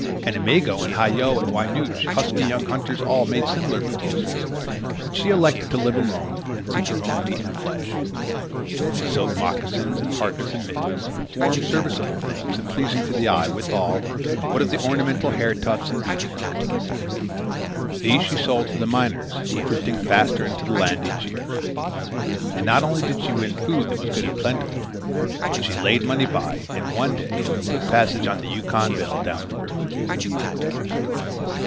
And Imego and Hah Yo and Wy Nooch, husky young hunters all, made similar proposals. But she elected to live alone and seek her own meat and fish. She sewed moccasins and PARKAS and mittens warm, serviceable things, and pleasing to the eye, withal, what of the ornamental hair tufts and bead work. These she sold to the miners, who were drifting faster into the land each year. And not only did she win food that was good and plentiful, but she laid money by, and one day took passage on the Yukon Belle down the river.